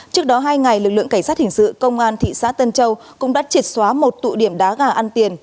trước đó hai ngày lực lượng cảnh sát hình sự công an thị xã tân châu cũng đã triệt xóa một tụ điểm đá gà ăn tiền